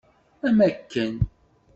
Am akken!